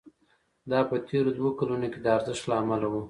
دا په تېرو دوو کلونو کې د ارزښت له امله وو